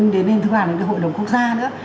đến thứ ba là hội đồng quốc gia nữa